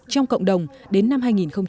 trong cộng đồng đến năm hai nghìn hai mươi